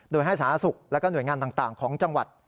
โดยให้สาธารณสุขและหน่วยงานต่างของจังหวัด